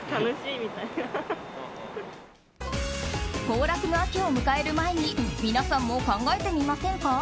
行楽の秋を迎える前に皆さんも考えてみませんか？